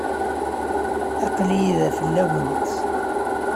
Aql-iyi da fell-awent.